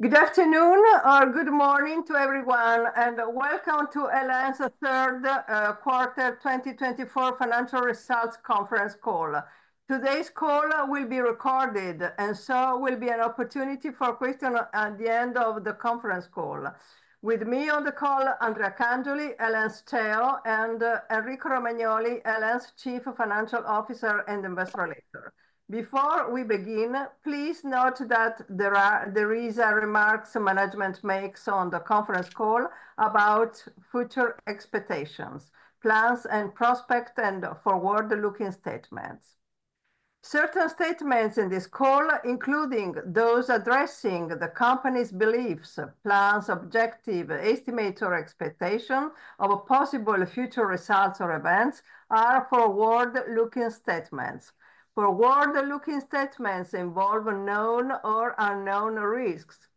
Good afternoon or good morning to everyone, and welcome to El.En.'s Third Quarter 2024 Financial Results Conference Call. Today's call will be recorded, and so will be an opportunity for questions at the end of the conference call. With me on the call, Andrea Cangioli, El.En. CEO, and Enrico Romagnoli, El.En. Chief Financial Officer and Investor Relator. Before we begin, please note that there are remarks management makes on the conference call about future expectations, plans, and prospects, and forward-looking statements. Certain statements in this call, including those addressing the company's beliefs, plans, objectives, estimates, or expectations of possible future results or events, are forward-looking statements. Forward-looking statements involve known or unknown risks,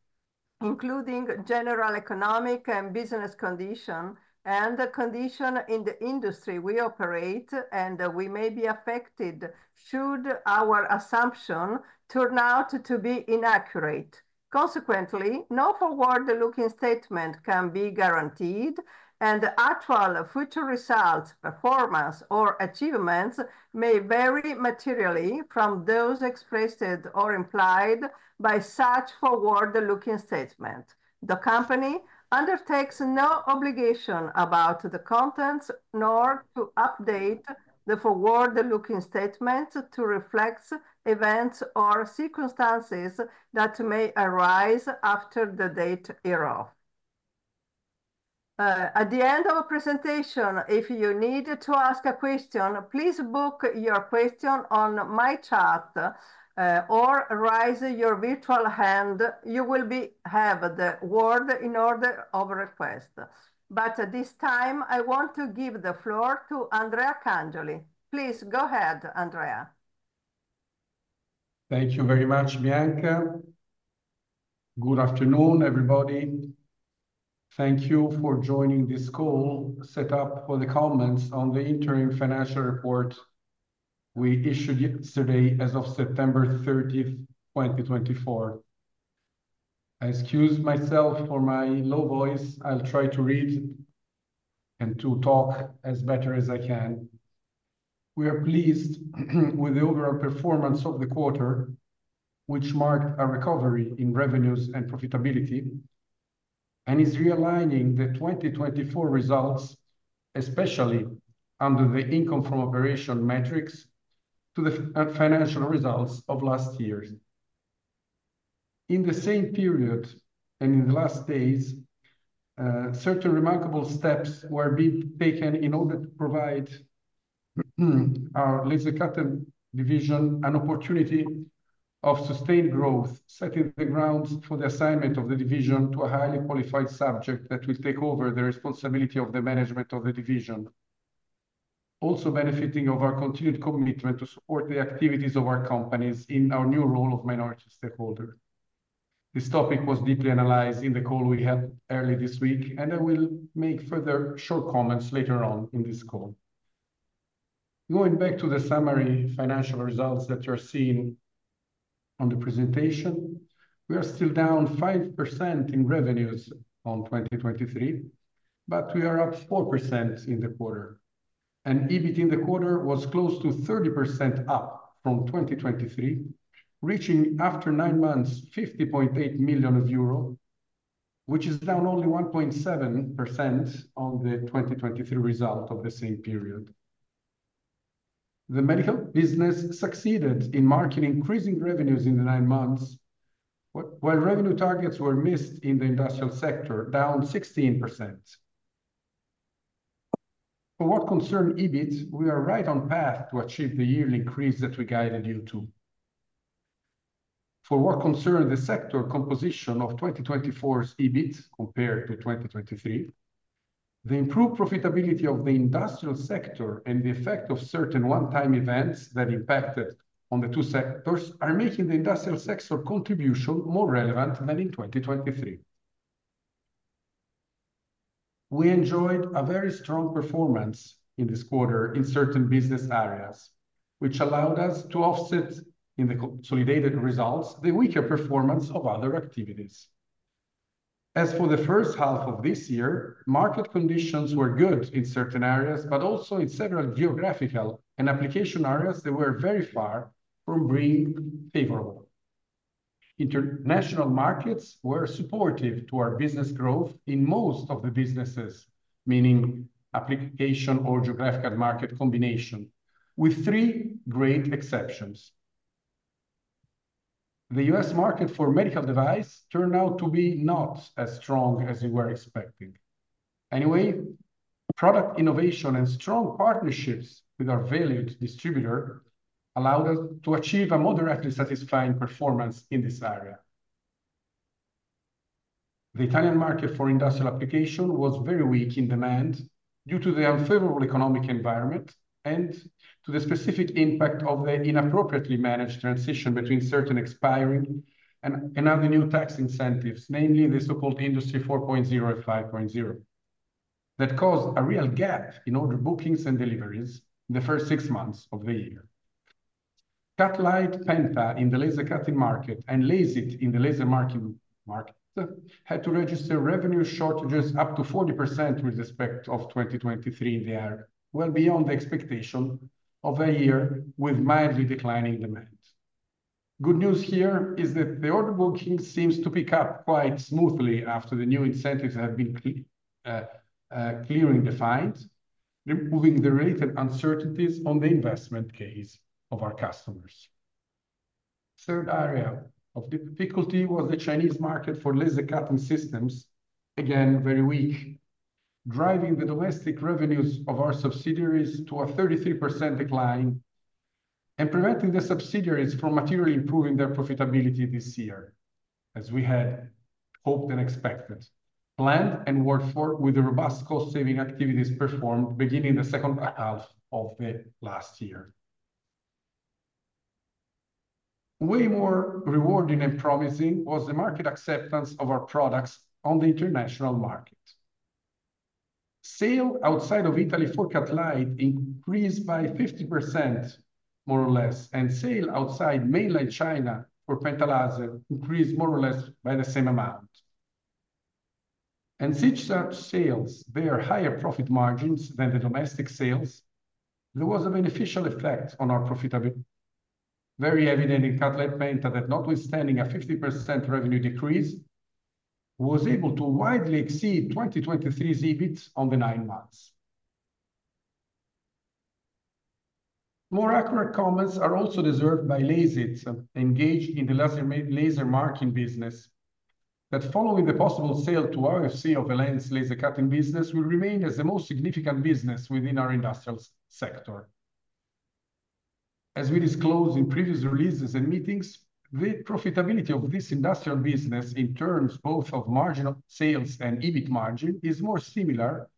including general economic and business conditions and conditions in the industry we operate in, and we may be affected should our assumption turn out to be inaccurate. Consequently, no forward-looking statement can be guaranteed, and the actual future results, performance, or achievements may vary materially from those expressed or implied by such forward-looking statements. The company undertakes no obligation about the contents nor to update the forward-looking statements to reflect events or circumstances that may arise after the date hereof. At the end of the presentation, if you need to ask a question, please post your question in the chat or raise your virtual hand. You will have the floor in order of request. But this time, I want to give the floor to Andrea Cangioli. Please go ahead, Andrea. Thank you very much, Bianca. Good afternoon, everybody. Thank you for joining this call set up for the comments on the interim financial report we issued yesterday, as of September 30, 2024. I excuse myself for my low voice. I'll try to read and to talk as better as I can. We are pleased with the overall performance of the quarter, which marked a recovery in revenues and profitability, and is realigning the 2024 results, especially under the income from operation metrics, to the financial results of last year. In the same period and in the last days, certain remarkable steps were being taken in order to provide our laser cutting division an opportunity of sustained growth, setting the grounds for the assignment of the division to a highly qualified subject that will take over the responsibility of the management of the division, also benefiting of our continued commitment to support the activities of our companies in our new role of minority stakeholder. This topic was deeply analyzed in the call we had early this week, and I will make further short comments later on in this call. Going back to the summary financial results that you're seeing on the presentation, we are still down 5% in revenues on 2023, but we are up 4% in the quarter. EBIT in the quarter was close to 30% up from 2023, reaching after nine months 50.8 million euro, which is down only 1.7% on the 2023 result of the same period. The medical business succeeded in making increasing revenues in the nine months, while revenue targets were missed in the industrial sector, down 16%. For what concerns EBIT, we are right on path to achieve the yearly increase that we guided you to. For what concerns the sector composition of 2024's EBIT compared to 2023, the improved profitability of the industrial sector and the effect of certain one-time events that impacted on the two sectors are making the industrial sector contribution more relevant than in 2023. We enjoyed a very strong performance in this quarter in certain business areas, which allowed us to offset in the consolidated results the weaker performance of other activities. As for the first half of this year, market conditions were good in certain areas, but also in several geographical and application areas that were very far from being favorable. International markets were supportive to our business growth in most of the businesses, meaning application or geographical market combination, with three great exceptions. The U.S. market for medical devices turned out to be not as strong as we were expecting. Anyway, product innovation and strong partnerships with our valued distributor allowed us to achieve a moderately satisfying performance in this area. The Italian market for industrial application was very weak in demand due to the unfavorable economic environment and to the specific impact of the inappropriately managed transition between certain expiring and other new tax incentives, namely the so-called Industry 4.0 and 5.0, that caused a real gap in order bookings and deliveries in the first six months of the year. Cutlite Penta in the laser cutting market and Lasit in the laser marking market had to register revenue shortages up to 40% with respect to 2023 in the year, well beyond the expectation of a year with mildly declining demand. Good news here is that the order booking seems to pick up quite smoothly after the new incentives have been clearly defined, removing the risk and uncertainties on the investment case of our customers. Third area of difficulty was the Chinese market for laser cutting systems, again very weak, driving the domestic revenues of our subsidiaries to a 33% decline and preventing the subsidiaries from materially improving their profitability this year, as we had hoped and expected, planned and worked for with the robust cost-saving activities performed beginning the second half of the last year. Way more rewarding and promising was the market acceptance of our products on the international market. Sales outside of Italy for Cutlite increased by 50%, more or less, and sales outside mainland China for Penta Laser increased more or less by the same amount, and such sales, their higher profit margins than the domestic sales, there was a beneficial effect on our profitability, very evident in Cutlite Penta that, notwithstanding a 50% revenue decrease, was able to widely exceed 2023's EBIT on the nine months. More accurate comments are also deserved by Lasit, engaged in the laser marking business, that following the possible sale to YOFC of El.En.'s laser cutting business will remain as the most significant business within our industrial sector. As we disclosed in previous releases and meetings, the profitability of this industrial business in terms both of sales margins and EBIT margin is more similar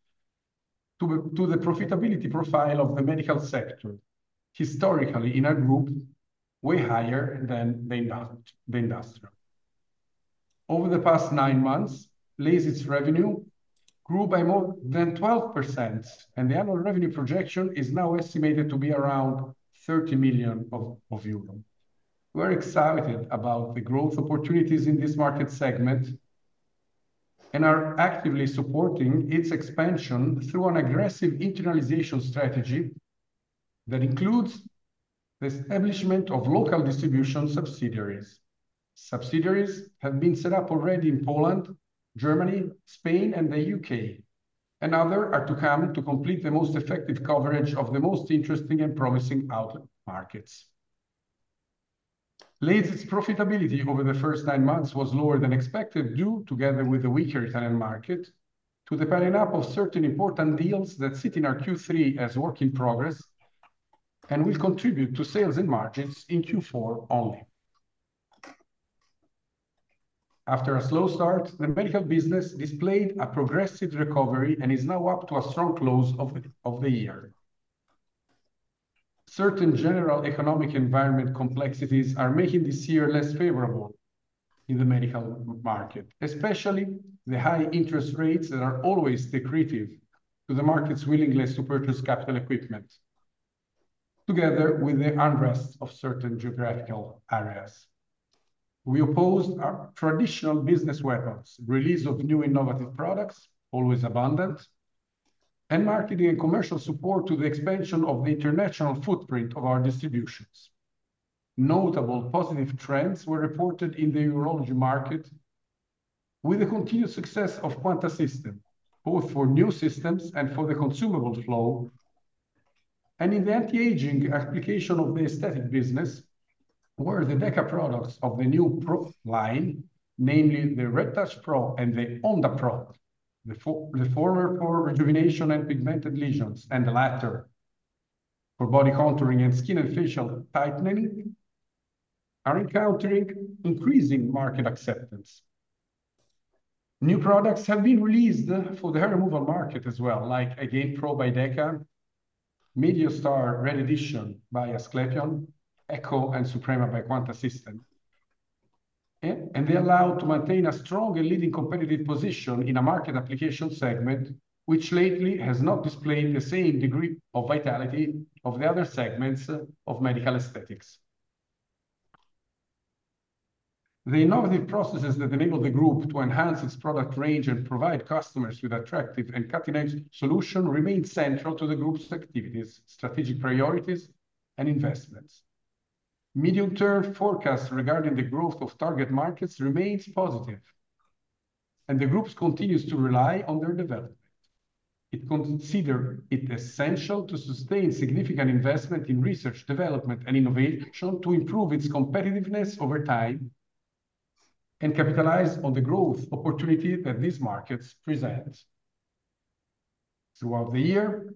to the profitability profile of the medical sector, historically in our group, way higher than the industrial. Over the past nine months, Lasit's revenue grew by more than 12%, and the annual revenue projection is now estimated to be around 30 million. We're excited about the growth opportunities in this market segment and are actively supporting its expansion through an aggressive internationalization strategy that includes the establishment of local distribution subsidiaries. Subsidiaries have been set up already in Poland, Germany, Spain, and the U.K., and others are to come to complete the most effective coverage of the most interesting and promising outlet markets. Lasit's profitability over the first nine months was lower than expected due to, together with the weaker Italian market, to the ramping up of certain important deals that sit in our Q3 as work in progress and will contribute to sales and margins in Q4 only. After a slow start, the medical business displayed a progressive recovery and is now up to a strong close of the year. Certain general economic environment complexities are making this year less favorable in the medical market, especially the high interest rates that are always detrimental to the market's willingness to purchase capital equipment, together with the unrest of certain geographical areas. We focused on traditional business levers, release of new innovative products always abundant, and marketing and commercial support to the expansion of the international footprint of our distributors. Notable positive trends were reported in the urology market with the continued success of Quanta System, both for new systems and for the consumable flow, and in the anti-aging application of the aesthetic business, where the DEKA products of the new line, namely the RedTouch PRO and the Onda PRO, the former for rejuvenation and pigmented lesions, and the latter for body contouring and skin and facial tightening, are encountering increasing market acceptance. New products have been released for the hair removal market as well, like Again PRO by DEKA, MeDioStar Red Edition by Asclepion, Echo, and Suprema by Quanta System, and they are allowed to maintain a strong and leading competitive position in a market application segment, which lately has not displayed the same degree of vitality of the other segments of medical aesthetics. The innovative processes that enable the group to enhance its product range and provide customers with attractive and cutting-edge solutions remain central to the group's activities, strategic priorities, and investments. Medium-term forecasts regarding the growth of target markets remain positive, and the group continues to rely on their development. It considered it essential to sustain significant investment in research, development, and innovation to improve its competitiveness over time and capitalize on the growth opportunity that these markets present. Throughout the year,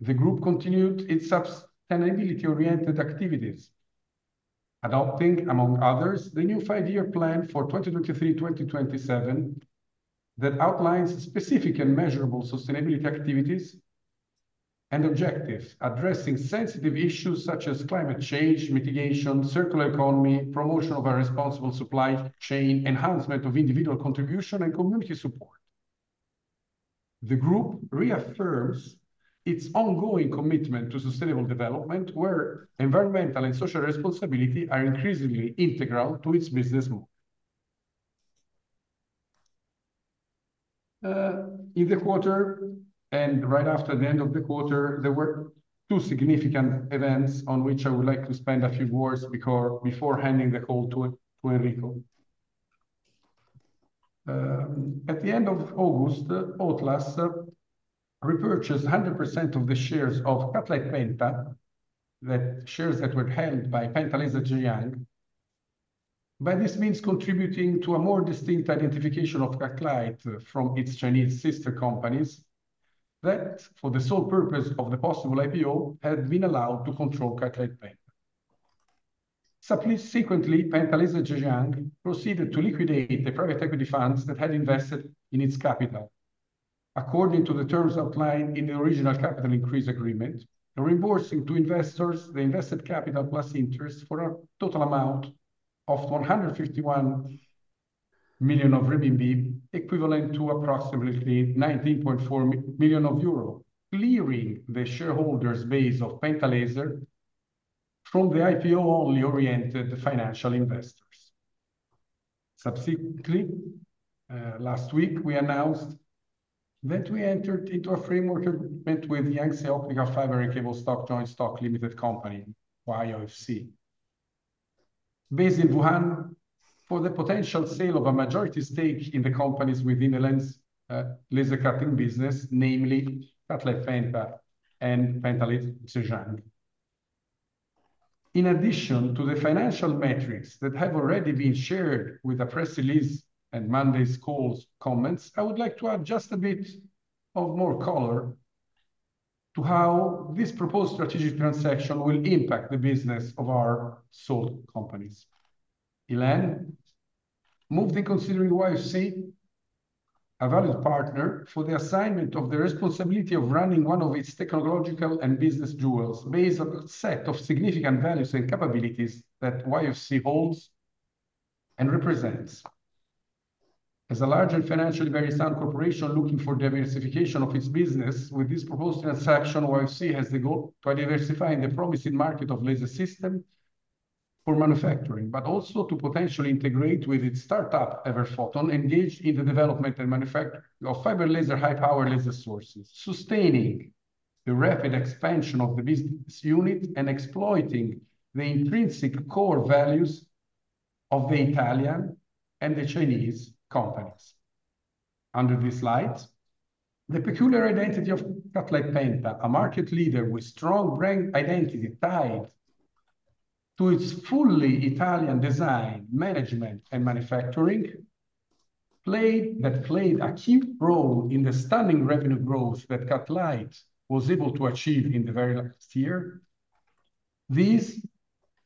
the group continued its sustainability-oriented activities, adopting, among others, the new five-year plan for 2023-2027 that outlines specific and measurable sustainability activities and objectives, addressing sensitive issues such as climate change mitigation, circular economy, promotion of a responsible supply chain, enhancement of individual contribution, and community support. The group reaffirms its ongoing commitment to sustainable development, where environmental and social responsibility are increasingly integral to its business model. In the quarter and right after the end of the quarter, there were two significant events on which I would like to spend a few words before handing the call to Enrico. At the end of August, Otlas repurchased 100% of the shares of Cutlite Penta, the shares that were held by Penta Laser (Zhejiang), by this means contributing to a more distinct identification of Cutlite Penta from its Chinese sister companies that, for the sole purpose of the possible IPO, had been allowed to control Cutlite Penta. Subsequently, Penta Laser (Zhejiang) proceeded to liquidate the private equity funds that had invested in its capital. According to the terms outlined in the original capital increase agreement, reimbursing to investors the invested capital plus interest for a total amount of 151 million RMB, equivalent to approximately 19.4 million euro, clearing the shareholders' base of Penta Laser from the IPO-only oriented financial investors. Subsequently, last week, we announced that we entered into a framework agreement with Yangtze Optical Fiber and Cable Joint Stock Limited Company, YOFC, based in Wuhan, for the potential sale of a majority stake in the companies within EL.En.'s laser cutting business, namely Cutlite Penta and Penta Laser (Zhejiang). In addition to the financial metrics that have already been shared with the press release and Monday's call comments, I would like to add just a bit of more color to how this proposed strategic transaction will impact the business of our sole companies. EL.En. moved in considering YOFC a valued partner for the assignment of the responsibility of running one of its technological and business jewels based on a set of significant values and capabilities that YOFC holds and represents. As a large and financially very sound corporation looking for diversification of its business, with this proposed transaction, YOFC has the goal to diversify in the promising market of laser systems for manufacturing, but also to potentially integrate with its startup, Everfoton, engaged in the development and manufacturing of fiber laser high-power laser sources, sustaining the rapid expansion of the business unit and exploiting the intrinsic core values of the Italian and the Chinese companies. Under this light, the peculiar identity of Cutlite Penta, a market leader with strong brand identity tied to its fully Italian design, management, and manufacturing, played a key role in the stunning revenue growth that Cutlite was able to achieve in the very last year. These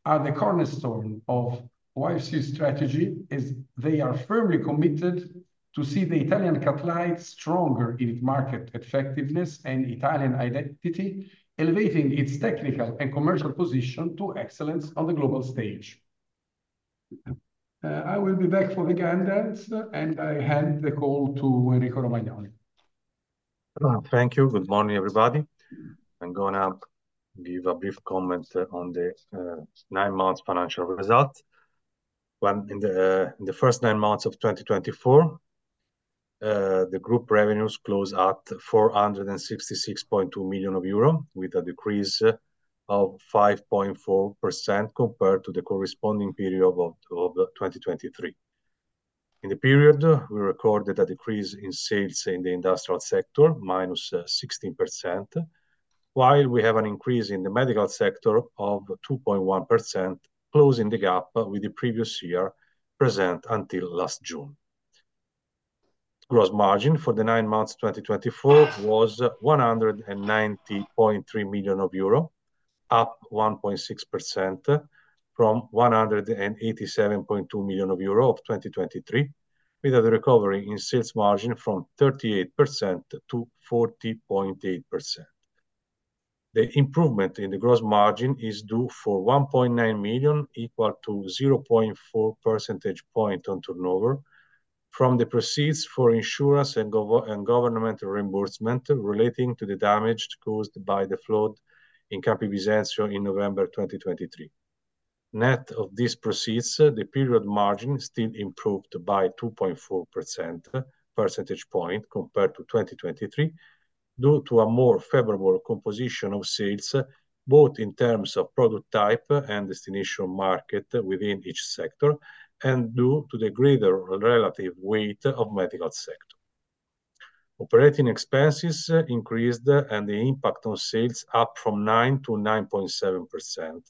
are the cornerstone of YOFC's strategy, as they are firmly committed to see the Italian Cutlite stronger in its market effectiveness and Italian identity, elevating its technical and commercial position to excellence on the global stage. I will be back for the guys, and I hand the call to Enrico Romagnoli. Thank you. Good morning, everybody. I'm going to give a brief comment on the nine-month financial result. In the first nine months of 2024, the group revenues closed at 466.2 million euro, with a decrease of 5.4% compared to the corresponding period of 2023. In the period, we recorded a decrease in sales in the industrial sector, -16%, while we have an increase in the medical sector of 2.1%, closing the gap with the previous year present until last June. months 190.3 million euro, up 187.2 million euro of 2023, with a recovery in sales margin from 38%-40.8%. The improvement in the gross margin is due 1.9 million, equal to 0.4 percentage points on turnover, from the proceeds for insurance and government reimbursement relating to the damage caused by the flood in Campi Bisenzio in November 2023. Net of these proceeds, the period margin still improved by 2.4 percentage points compared to 2023, due to a more favorable composition of sales, both in terms of product type and destination market within each sector, and due to the greater relative weight of the medical sector. Operating expenses increased and the impact on sales up from 9%-9.7%,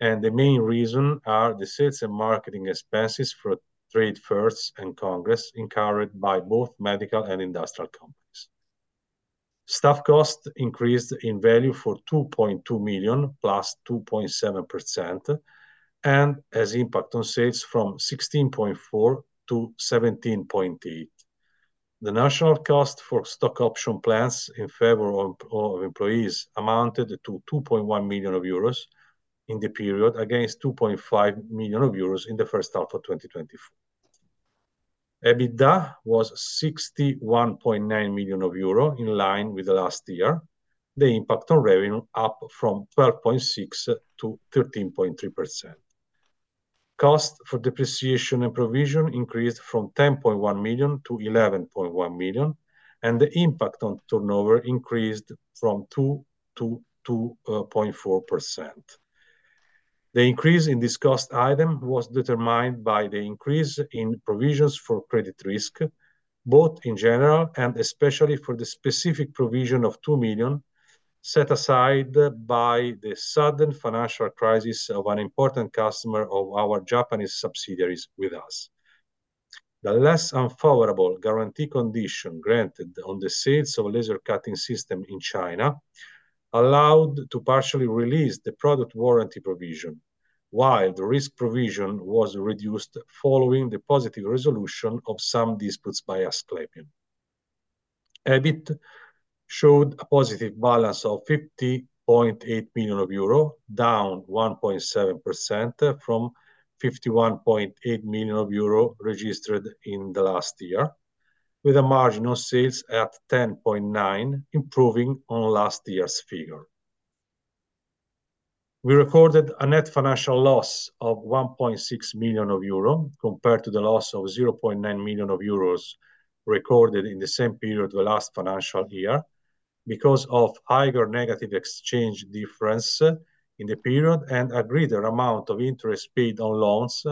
and the main reason are the sales and marketing expenses for trade fairs and congress incurred by both medical and industrial companies. Staff cost increased in value for 2.2 million plus 2.7%, and has impact on sales from 16.4%-17.8%. The non-cash cost for stock option plans in favor of employees amounted to 2.1 million euros in the period, against 2.5 million euros in the first half of 2024. EBITDA was 61.9 million euro, in line with the last year, the impact on revenue up from 12.6%-13.3%. Cost for depreciation and provision increased from 10.1 million to 11.1 million, and the impact on turnover increased from 2%-2.4%. The increase in this cost item was determined by the increase in provisions for credit risk, both in general and especially for the specific provision of 2 million set aside by the sudden financial crisis of an important customer of our Japanese subsidiaries with us. The less unfavorable guarantee condition granted on the sales of a laser cutting system in China allowed to partially release the product warranty provision, while the risk provision was reduced following the positive resolution of some disputes by Asclepion. EBIT showed a positive balance 50.8 million euro, down 1.7% from 51.8 million euro registered in the last year, with a margin on sales at 10.9%, improving on last year's figure. We recorded a net financial loss of 1.6 million euro compared to the loss of 0.9 million euros recorded in the same period of the last financial year because of higher negative exchange difference in the period and a greater amount of interest paid on loans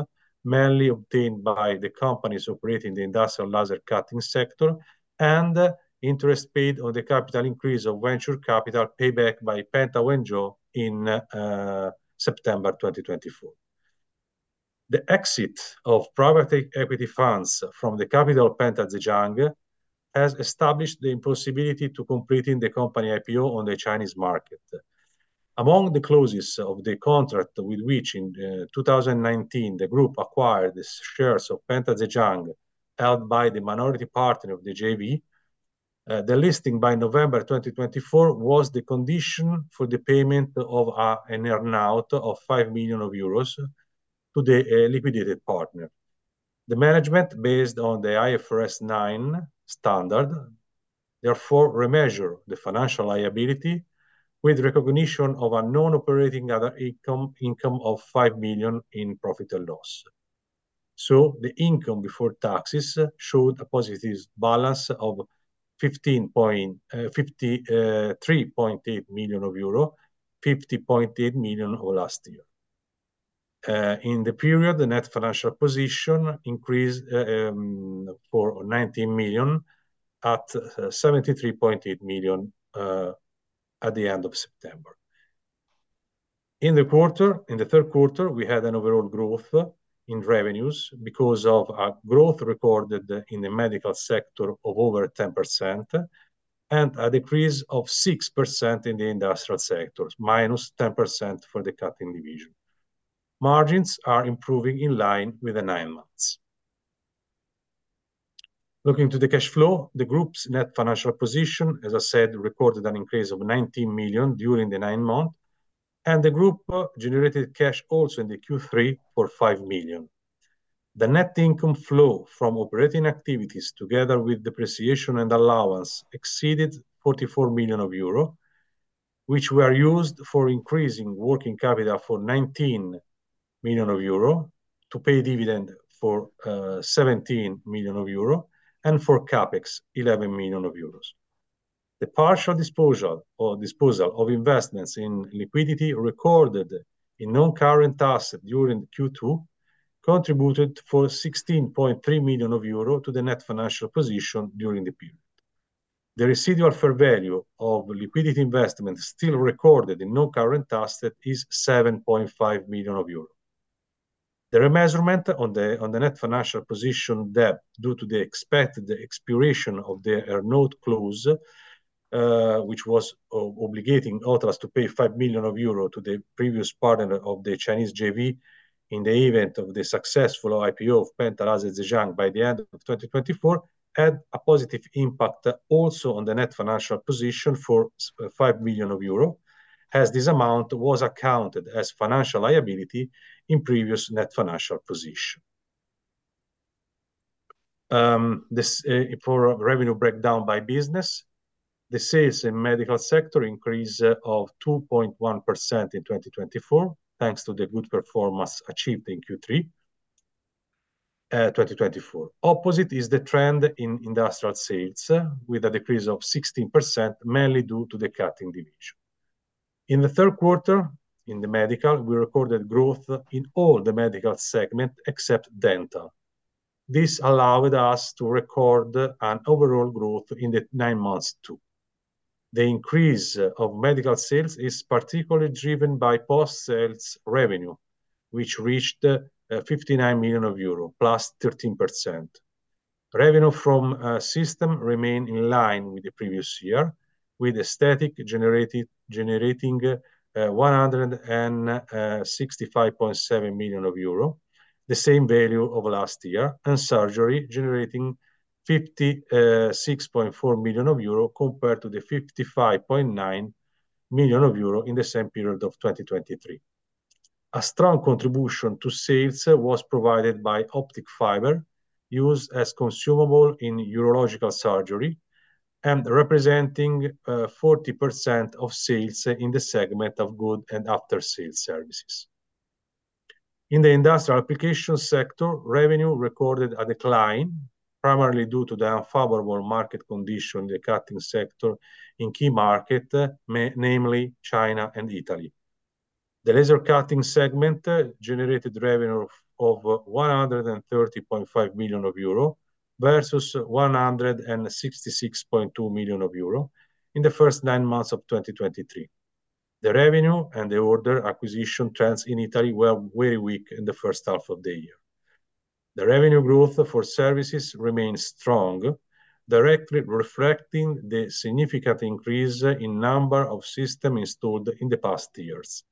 mainly obtained by the companies operating in the industrial laser cutting sector and interest paid on the capital increase of venture capital payback by Penta Wenzhou in September 2024. The exit of private equity funds from the capital of Penta Zhejiang has established the impossibility of completing the company IPO on the Chinese market. Among the clauses of the contract with which, in 2019, the group acquired the shares of Penta Zhejiang held by the minority partner of the JV, the listing by November 2024 was the condition for the payment of an earn-out of 5 million euros to the liquidated partner. The management, based on the IFRS 9 standard, therefore remeasured the financial liability with recognition of a non-operating other income of 5 million in profit or loss. So, the income before taxes showed a positive balance of 53.8 million euro, euro 50.8 million of last year. In the period, the net financial position increased for 19 million at 73.8 million at the end of September. In the third quarter, we had an overall growth in revenues because of a growth recorded in the medical sector of over 10% and a decrease of 6% in the industrial sector, minus 10% for the cutting division. Margins are improving in line with the nine months. Looking to the cash flow, the group's net financial position, as I said, recorded an increase of 19 million during the nine months, and the group generated cash also in the Q3 for 5 million. The net income flow from operating activities, together with depreciation and allowance, exceeded 44 million euro, which were used for increasing working capital for 19 million euro to pay dividend for 17 million euro and for CapEx 11 million euros. The partial disposal of investments in liquidity recorded in non-current assets during the Q2 contributed for 16.3 million euro to the net financial position during the period. The residual fair value of liquidity investments still recorded in non-current assets is 7.5 million euros. The remeasurement on the net financial position debt due to the expected expiration of the earn-out clause, which was obligating Otlas to pay 5 million euro to the previous partner of the Chinese JV in the event of the successful IPO of Penta Laser (Zhejiang) by the end of 2024, had a positive impact also on the net financial position for 5 million euro, as this amount was accounted as financial liability in previous net financial position. For revenue breakdown by business, the sales in the medical sector increased of 2.1% in 2024, thanks to the good performance achieved in Q3 2024. Opposite is the trend in industrial sales, with a decrease of 16%, mainly due to the cutting division. In the third quarter, in the medical, we recorded growth in all the medical segments except dental. This allowed us to record an overall growth in the nine months too. The increase of medical sales is particularly driven by post-sales revenue, which reached 59 million euro, plus 13%. Revenue from systems remained in line with the previous year, with esthetic generating 165.7 million euro, the same value of last year, and surgery generating 56.4 million euro compared to the 55.9 million euro in the same period of 2023. A strong contribution to sales was provided by optical fiber used as consumable in urological surgery and representing 40% of sales in the segment of goods and after-sales services. In the industrial application sector, revenue recorded a decline, primarily due to the unfavorable market condition in the cutting sector in key markets, namely China and Italy. The laser cutting segment generated revenue of 130.5 million euro versus 166.2 million euro in the first nine months of 2023. The revenue and the order acquisition trends in Italy were very weak in the first half of the year. The revenue growth for services remained strong, directly reflecting the significant increase in the number of systems installed in the past years.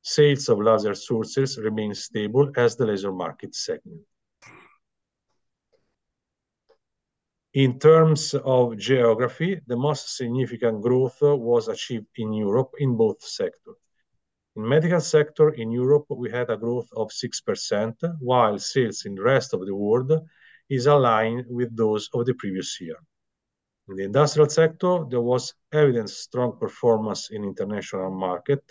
Sales of laser sources remained stable as the laser market segment. In terms of geography, the most significant growth was achieved in Europe in both sectors. In the medical sector in Europe, we had a growth of 6%, while sales in the rest of the world are in line with those of the previous year. In the industrial sector, there was evident strong performance in the international market,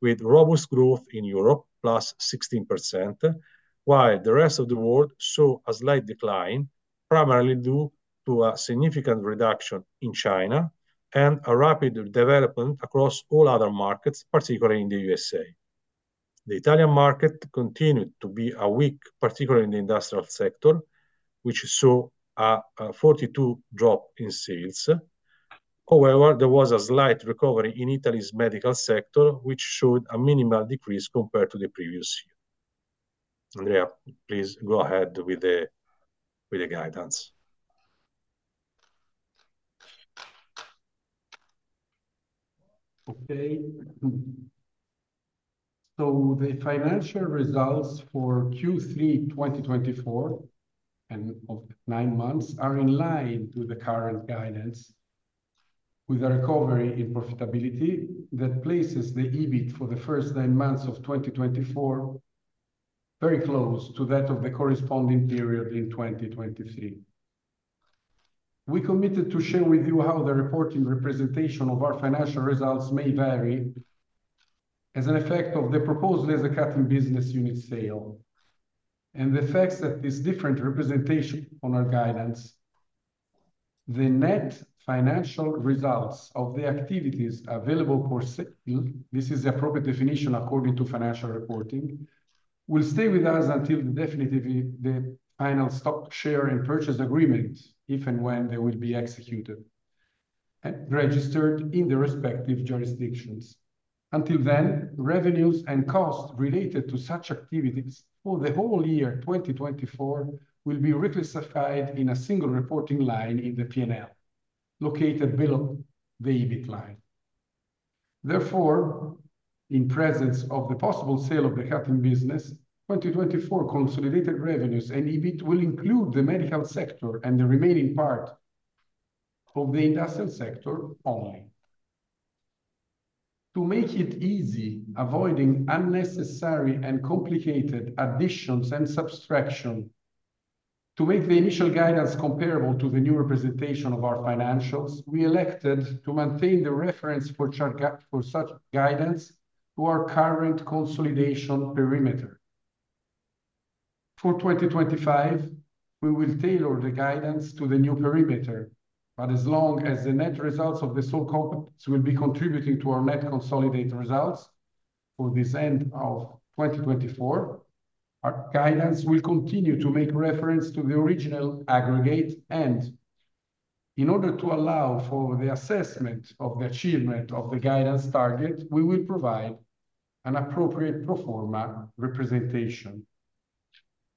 with robust growth in Europe, plus 16%, while the rest of the world saw a slight decline, primarily due to a significant reduction in China and a rapid development across all other markets, particularly in the USA. The Italian market continued to be weak, particularly in the industrial sector, which saw a 42% drop in sales. However, there was a slight recovery in Italy's medical sector, which showed a minimal decrease compared to the previous year. Andrea, please go ahead with the guidance. Okay. So the financial results for Q3 2024 and of nine months are in line with the current guidance, with a recovery in profitability that places the EBIT for the first nine months of 2024 very close to that of the corresponding period in 2023. We committed to share with you how the reporting representation of our financial results may vary as an effect of the proposed laser cutting business unit sale and the effects that this different representation on our guidance. The net financial results of the activities available for sale, this is the appropriate definition according to financial reporting, will stay with us until the definitive final share purchase agreement, if and when they will be executed and registered in the respective jurisdictions. Until then, revenues and costs related to such activities for the whole year 2024 will be reclassified in a single reporting line in the P&L, located below the EBIT line. Therefore, in the presence of the possible sale of the cutting business, 2024 consolidated revenues and EBIT will include the medical sector and the remaining part of the industrial sector only. To make it easy, avoiding unnecessary and complicated additions and subtraction, to make the initial guidance comparable to the new representation of our financials, we elected to maintain the reference for such guidance to our current consolidation perimeter. For 2025, we will tailor the guidance to the new perimeter, but as long as the net results of the sold companies will be contributing to our net consolidated results for the end of 2024, our guidance will continue to make reference to the original aggregate. In order to allow for the assessment of the achievement of the guidance target, we will provide an appropriate pro forma representation.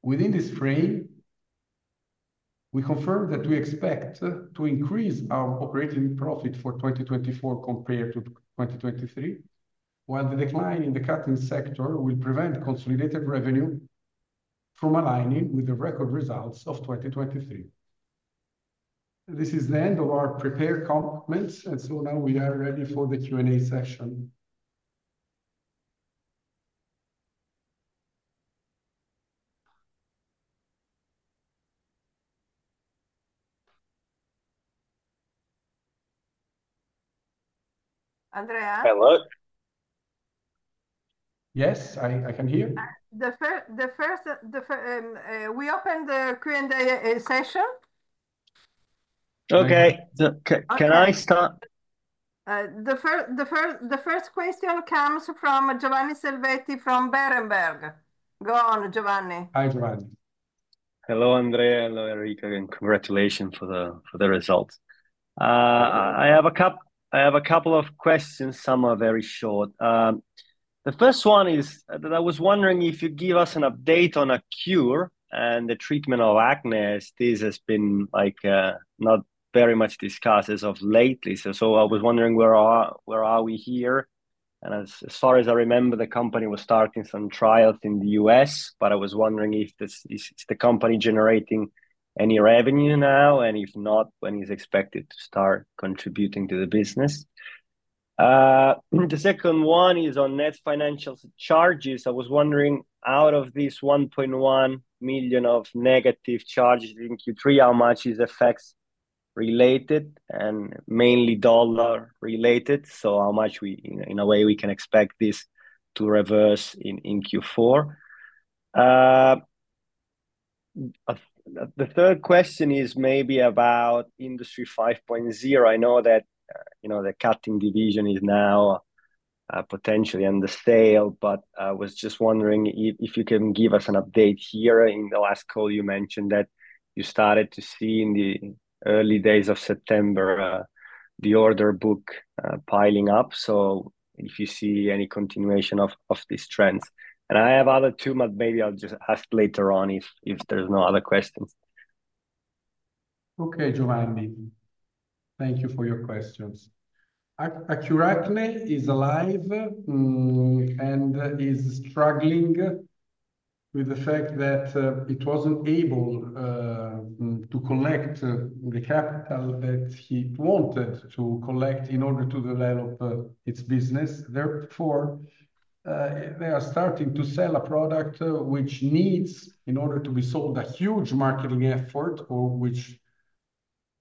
Within this frame, we confirm that we expect to increase our operating profit for 2024 compared to 2023, while the decline in the cutting sector will prevent consolidated revenue from aligning with the record results of 2023. This is the end of our prepared comments, and so now we are ready for the Q&A session. Andrea. Hello. Yes, I can hear. We open the Q&A session. Okay. Can I start? The first question comes from Giovanni Selvetti from Berenberg. Go on, Giovanni. Hi, Giovanni. Hello, Andrea. Hello, Enrico. Congratulations for the results. I have a couple of questions. Some are very short. The first one is that I was wondering if you'd give us an update on Accure Acne and the treatment of acne. This has been like not very much discussed as of lately. So I was wondering, where are we here? As far as I remember, the company was starting some trials in the U.S., but I was wondering if the company is generating any revenue now, and if not, when is it expected to start contributing to the business? The second one is on net financial charges. I was wondering, out of this 1.1 million of negative charges in Q3, how much is FX related and mainly dollar related? So how much we, in a way, we can expect this to reverse in Q4? The third question is maybe about Industry 5.0. I know that, you know, the cutting division is now potentially for sale, but I was just wondering if you can give us an update here. In the last call, you mentioned that you started to see in the early days of September the order book piling up. So if you see any continuation of these trends. And I have other two, but maybe I'll just ask later on if there's no other questions. Okay, Giovanni. Thank you for your questions. Accure Acne is alive and is struggling with the fact that it wasn't able to collect the capital that he wanted to collect in order to develop its business. Therefore, they are starting to sell a product which needs, in order to be sold, a huge marketing effort, or which,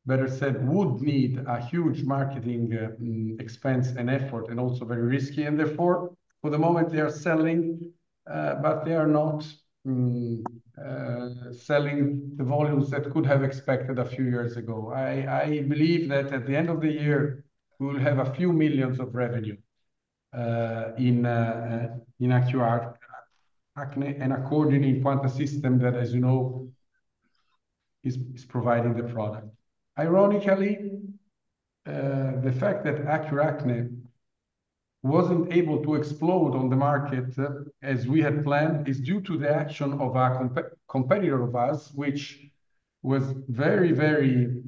better said, would need a huge marketing expense and effort, and also very risky. And therefore, for the moment, they are selling, but they are not selling the volumes that could have expected a few years ago. I believe that at the end of the year, we will have a few millions of revenue in Accure Acne and accordingly Quanta System that, as you know, is providing the product. Ironically, the fact that Accure Acne wasn't able to explode on the market as we had planned is due to the action of our competitor of us, which was very, very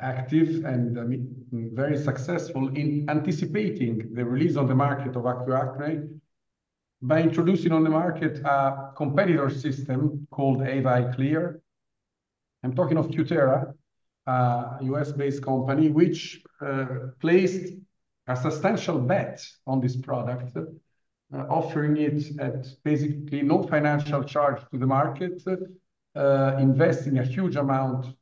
active and very successful in anticipating release on the of Accure Acne by introducing on the market a competitor system called AviClear. I'm talking of Cutera, a U.S.-based company, which placed a substantial bet on this product, offering it at basically no financial charge to the market, investing a huge amount of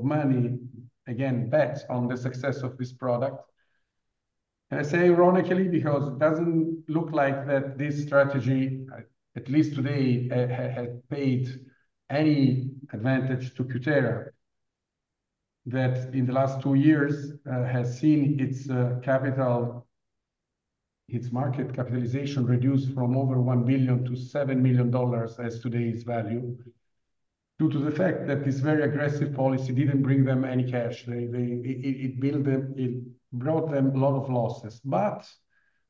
money, again, bet on the success of this product. I say ironically because it doesn't look like that this strategy, at least today, has paid any advantage to Cutera, that in the last two years has seen its capital, its market capitalization reduced from over $1 billion to $7 million at today's value, due to the fact that this very aggressive policy didn't bring them any cash. It brought them a lot of losses.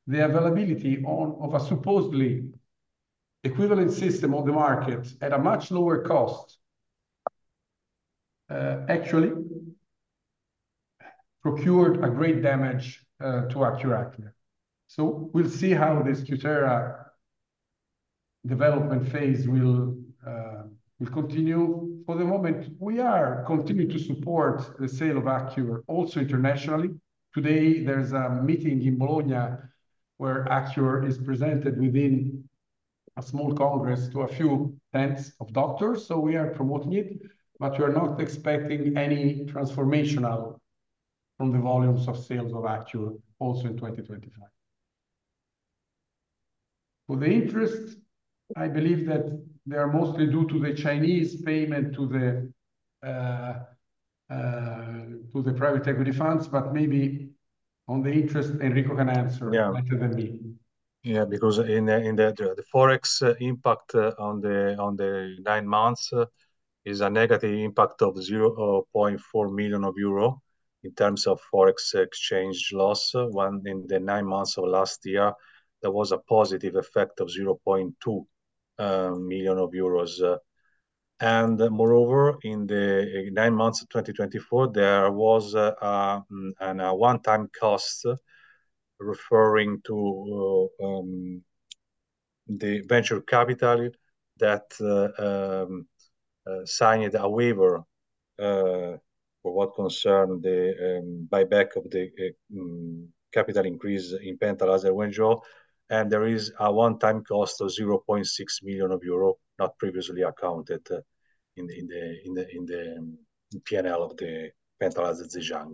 The availability of a supposedly equivalent system on the market at a much lower cost actually procured a great damage to Accure Acne. We'll see how this Cutera development phase will continue. For the moment, we are continuing to support the of Accure also internationally. Today, there's a meeting in where Accure is presented within a small congress to a few tens of doctors. We are promoting it, but we are not expecting any transformation from the volumes of of Accure also in 2025. For the interest, I believe that they are mostly due to the Chinese payment to the private equity funds, but maybe on the interest, Enrico can answer better than me. Yeah, because in the forex impact on the nine months is a negative impact of 0.4 million euro in terms of forex exchange loss. One in the nine months of last year, there was a positive effect of 0.2 million euros. And moreover, in the nine months of 2024, there was a one-time cost referring to the venture capital that signed a waiver for what concerned the buyback of the capital increase in Penta Laser Wenzhou. And there is a one-time cost of 0.6 million euro not previously accounted in the P&L of the Penta Laser Zhejiang.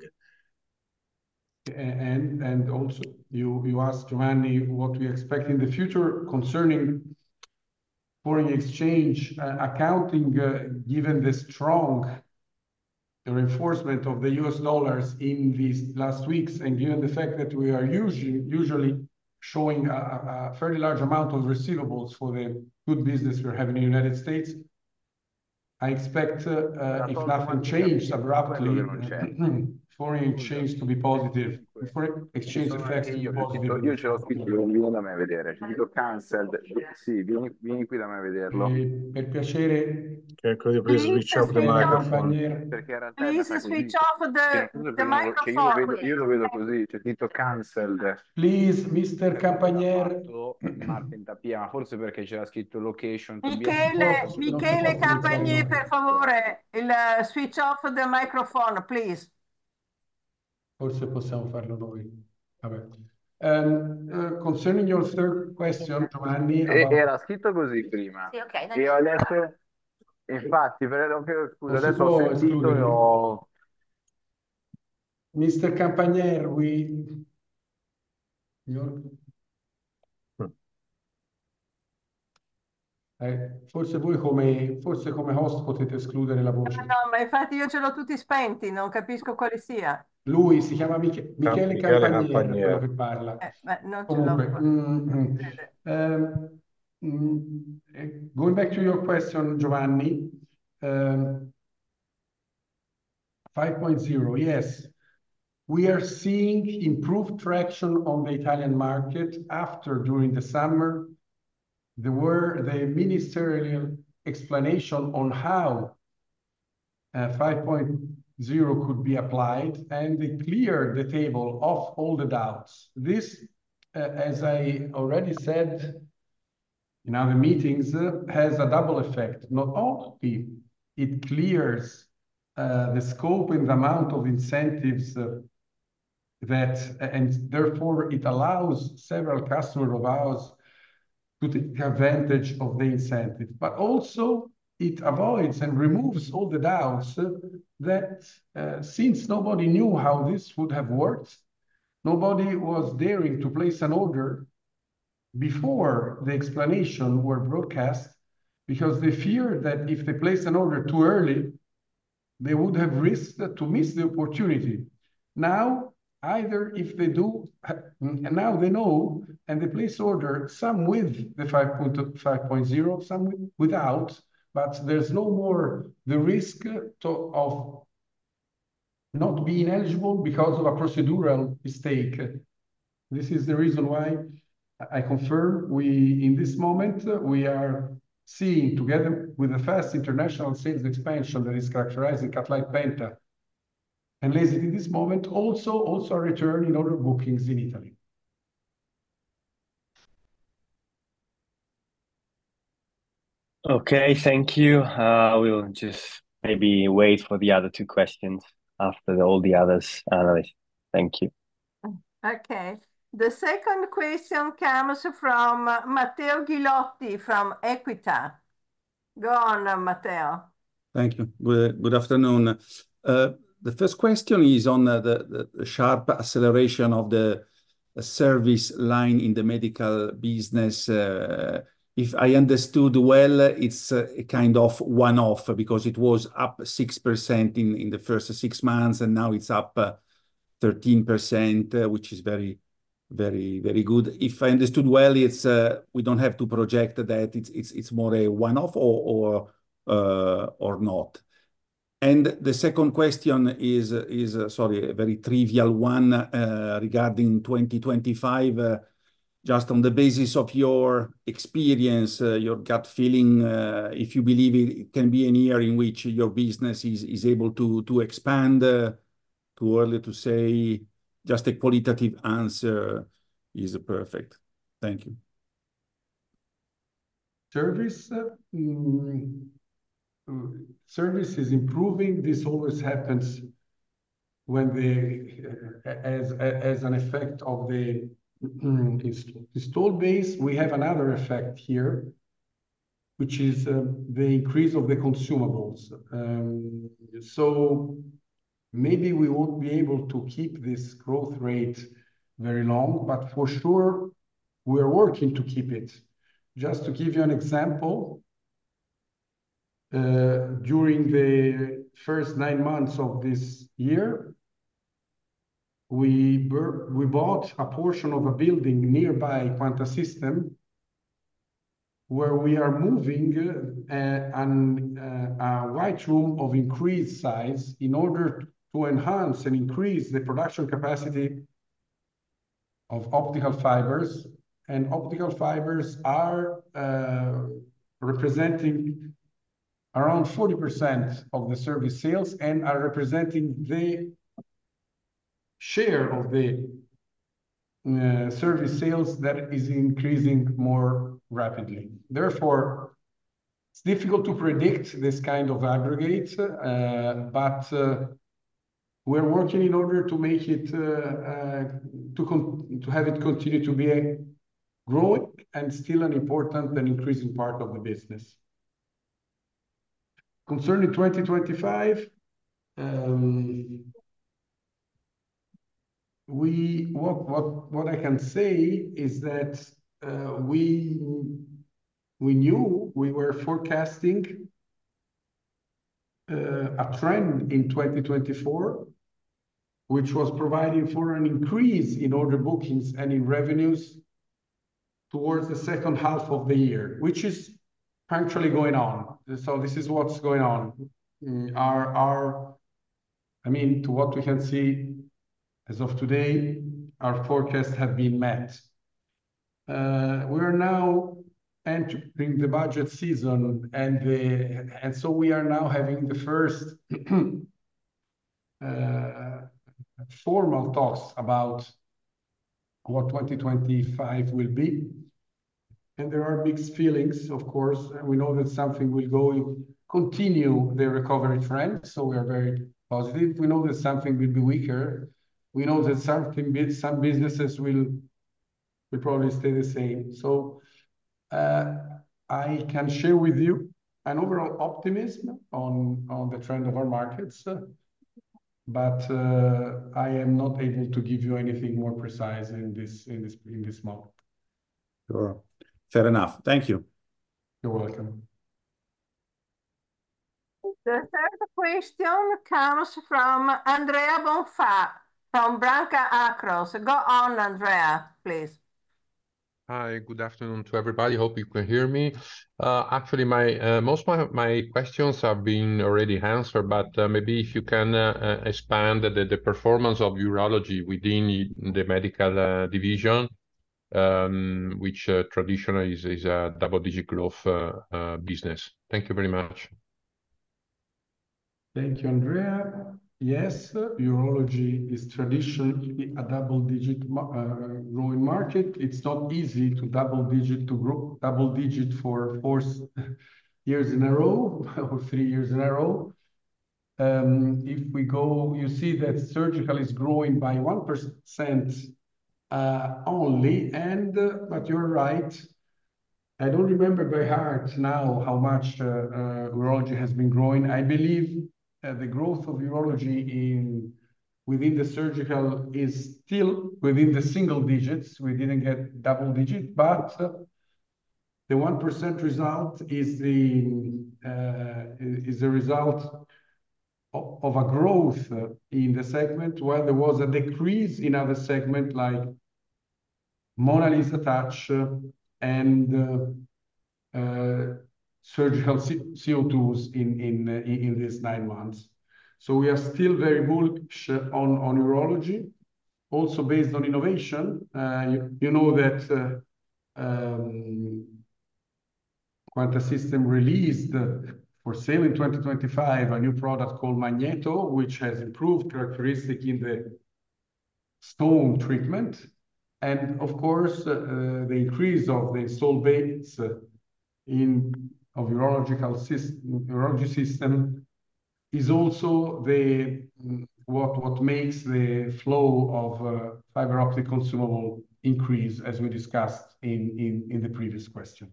And also, you asked Giovanni what we expect in the future concerning foreign exchange accounting, given the strong reinforcement of the U.S. dollars in these last weeks, and given the fact that we are usually showing a fairly large amount of receivables for the good business we're having in the United States. I expect, if nothing changed abruptly, foreign exchange to be positive. Foreign exchange effects to be positive. Per piacere. Forse voi, come host, potete escludere la voce. No, ma infatti io ce l'ho tutti spenti, non capisco quale sia. Lui si chiama Michele Campagnoli. Going back to your question, Giovanni. 5.0, yes. We are seeing improved traction on the Italian market after during the summer. There were the ministerial explanation on how 5.0 could be applied, and they cleared the table of all the doubts. This, as I already said in other meetings, has a double effect. Not only it clears the scope and the amount of incentives that, and therefore it allows several customers of ours to take advantage of the incentive, but also it avoids and removes all the doubts that since nobody knew how this would have worked, nobody was daring to place an order before the explanation were broadcast because they feared that if they place an order too early, they would have risked to miss the opportunity. Now, either if they do, now they know, and they place order, some with the 5.0, some without, but there's no more the risk of not being eligible because of a procedural mistake. This is the reason why I confirm we, in this moment, we are seeing together with the fast international sales expansion that is characterized in Cutlite Penta, and Lasit in this moment, also a return in order bookings in Italy. Okay, thank you. We'll just maybe wait for the other two questions after all the others. Thank you. Okay. The second question comes from Matteo Ghilotti from Equita. Go on, Matteo. Thank you. Good afternoon. The first question is on the sharp acceleration of the service line in the medical business. If I understood well, it's a kind of one-off because it was up 6% in the first six months, and now it's up 13%, which is very, very, very good. If I understood well, we don't have to project that. It's more a one-off or not. And the second question is, sorry, a very trivial one regarding 2025. Just on the basis of your experience, your gut feeling, if you believe it can be a year in which your business is able to expand. Too early to say, just a qualitative answer is perfect. Thank you. Service is improving. This always happens when they, as an effect of the installed base, we have another effect here, which is the increase of the consumables, so maybe we won't be able to keep this growth rate very long, but for sure, we are working to keep it. Just to give you an example, during the first nine months of this year, we bought a portion of a building nearby Quanta System where we are moving a white room of increased size in order to enhance and increase the production capacity of optical fibers, and optical fibers are representing around 40% of the service sales and are representing the share of the service sales that is increasing more rapidly. Therefore, it's difficult to predict this kind of aggregate, but we're working in order to make it, to have it continue to be a growing and still an important and increasing part of the business. Concerning 2025, what I can say is that we knew we were forecasting a trend in 2024, which was providing for an increase in order bookings and in revenues towards the second half of the year, which is actually going on, so this is what's going on. I mean, to what we can see as of today, our forecasts have been met. We are now entering the budget season, and so we are now having the first formal talks about what 2025 will be, and there are mixed feelings, of course. We know that something will continue the recovery trend, so we are very positive. We know that something will be weaker. We know that some businesses will probably stay the same. So I can share with you an overall optimism on the trend of our markets, but I am not able to give you anything more precise in this moment. Sure. Fair enough. Thank you. You're welcome. The third question comes from Andrea Bonfà from Banca Akros. Go on, Andrea, please. Hi, good afternoon to everybody. Hope you can hear me. Actually, most of my questions have been already answered, but maybe if you can expand the performance of urology within the medical division, which traditionally is a double-digit growth business. Thank you very much. Thank you, Andrea. Yes, urology is traditionally a double-digit growing market. It's not easy to double-digit for four years in a row or three years in a row. If we go, you see that surgical is growing by 1% only, but you're right. I don't remember by heart now how much urology has been growing. I believe the growth of urology within the surgical is still within the single digits. We didn't get double digits, but the 1% result is the result of a growth in the segment where there was a decrease in other segments like Monalisa Touch and surgical CO2s in these nine months. So we are still very bullish on urology, also based on innovation. You know that Quanta System released for sale in 2025 a new product called Magneto, which has improved characteristics in the stone treatment. And of course, the increase of the installed base of urology system is also what makes the flow of fiber optic consumable increase, as we discussed in the previous question.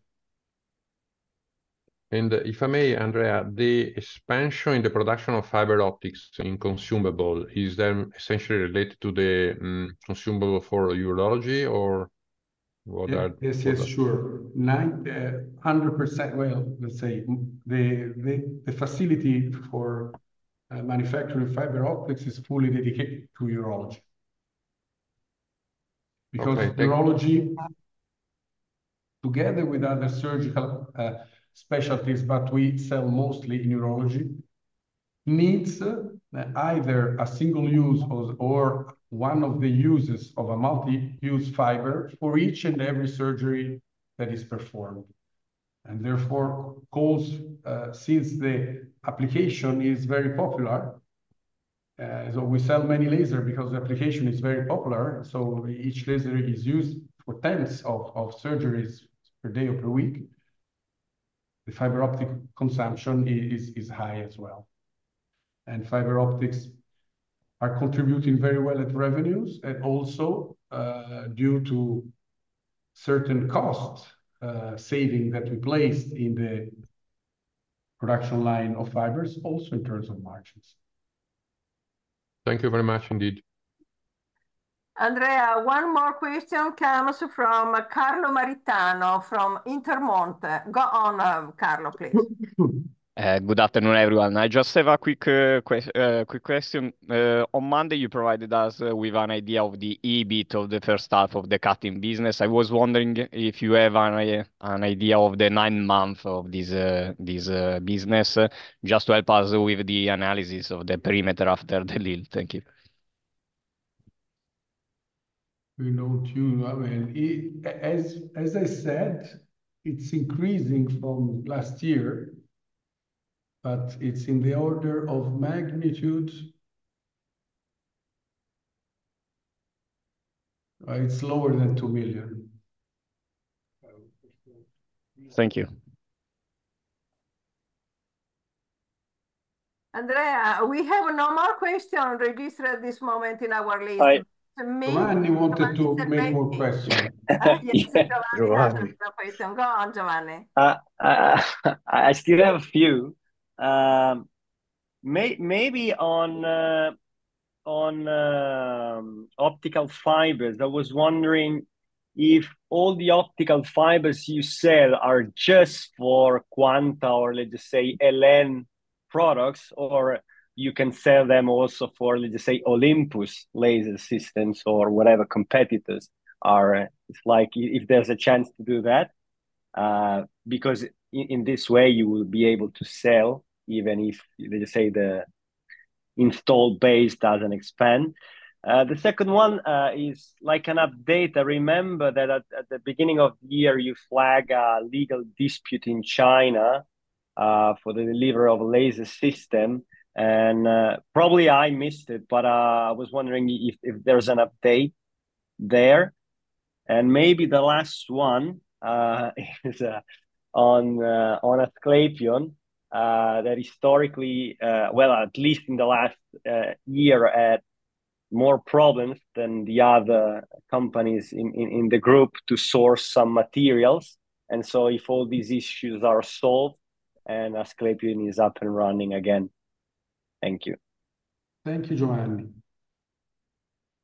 And if I may, Andrea, the expansion in the production of fiber optics consumables, is that essentially related to the consumables for urology or what? Yes, yes, sure. 100%. Well, let's say the facility for manufacturing fiber optics is fully dedicated to urology. Because urology, together with other surgical specialties, but we sell mostly in urology, needs either a single use or one of the uses of a multi-use fiber for each and every surgery that is performed. And therefore, since the application is very popular, we sell many lasers because the application is very popular. So each laser is used for tens of surgeries per day or per week. The fiber optic consumption is high as well. And fiber optics are contributing very well at revenues and also due to certain cost savings that we placed in the production line of fibers, also in terms of margins. Thank you very much indeed. Andrea, one more question comes from Carlo Maritano from Intermonte. Go on, Carlo, please. Good afternoon, everyone. I just have a quick question. On Monday, you provided us with an idea of the EBIT of the first half of the cutting business. I was wondering if you have an idea of the nine months of this business just to help us with the analysis of the perimeter after the deal. Thank you. We know too. As I said, it's increasing from last year, but it's in the order of magnitude. It's lower than 2 million. Thank you. Andrea, we have no more questions registered at this moment in our list. Giovanni wanted to make more questions. Go on, Giovanni. I still have a few. Maybe on optical fibers, I was wondering if all the optical fibers you sell are just for Quanta or, let's say, El.En. products, or you can sell them also for, let's say, Olympus laser systems or whatever competitors are. It's like if there's a chance to do that, because in this way, you will be able to sell even if, let's say, the installed base doesn't expand. The second one is like an update. I remember that at the beginning of the year, you flagged a legal dispute in China for the delivery of a laser system, and probably I missed it, but I was wondering if there's an update there, and maybe the last one is on Asclepion that historically, well, at least in the last year, had more problems than the other companies in the group to source some materials. And so if all these issues are solved and Asclepion is up and running again, thank you. Thank you, Giovanni.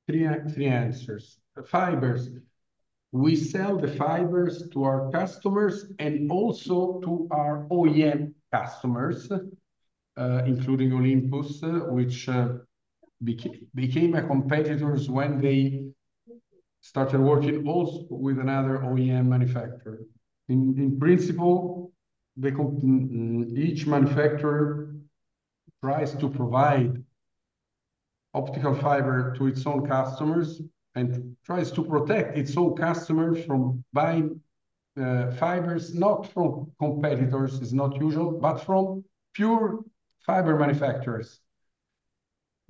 Three answers. Fibers. We sell the fibers to our customers and also to our OEM customers, including Olympus, which became a competitor when they started working also with another OEM manufacturer. In principle, each manufacturer tries to provide optical fiber to its own customers and tries to protect its own customers from buying fibers, not from competitors. It's not usual, but from pure fiber manufacturers.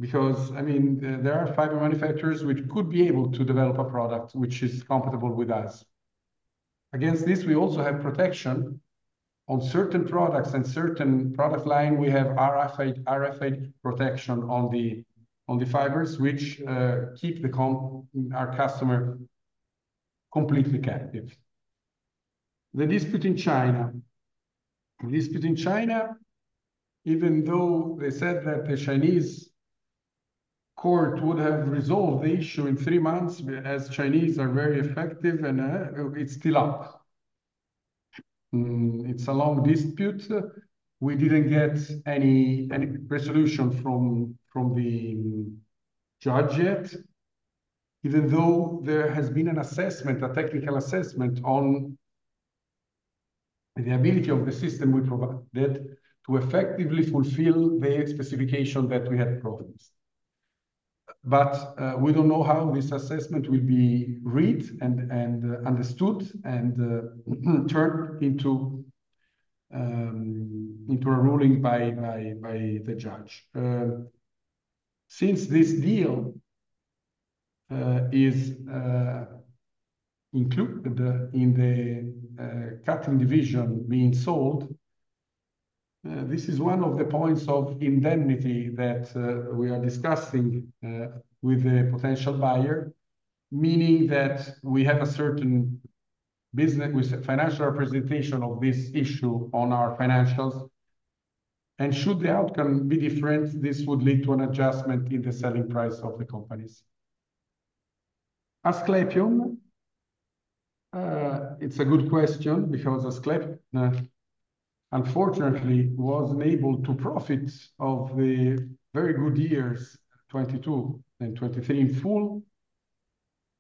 Because, I mean, there are fiber manufacturers which could be able to develop a product which is compatible with us. Against this, we also have protection on certain products and certain product lines. We have RFID protection on the fibers, which keep our customer completely captive. The dispute in China. The dispute in China, even though they said that the Chinese court would have resolved the issue in three months, as Chinese are very effective, and it's still up. It's a long dispute. We didn't get any resolution from the judge yet, even though there has been an assessment, a technical assessment on the ability of the system we provided to effectively fulfill the specification that we had problems. But we don't know how this assessment will be read and understood and turned into a ruling by the judge. Since this deal is included in the cutting division being sold, this is one of the points of indemnity that we are discussing with the potential buyer, meaning that we have a certain financial representation of this issue on our financials, and should the outcome be different, this would lead to an adjustment in the selling price of the companies. Asclepion, it's a good question because Asclepion, unfortunately, wasn't able to profit of the very good years, 2022 and 2023 in full,